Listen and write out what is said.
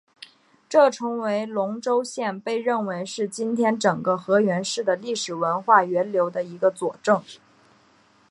这成为龙川县被认为是今天整个河源市的历史文化源流的一个佐证。